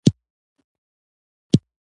ایا ما ته له واهمو څخه خلاصون راکوې؟